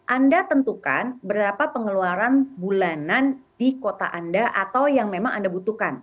anda tentukan berapa pengeluaran bulanan di kota anda atau yang memang anda butuhkan